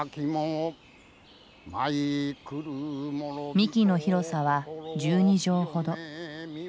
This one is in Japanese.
幹の広さは１２畳ほど。